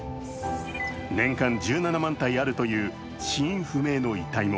年間１７万体あるという死因不明の遺体も、